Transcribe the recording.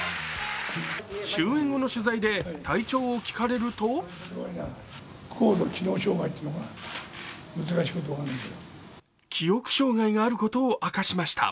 終演後の取材で体調を聞かれると記憶障害があることを明かしました。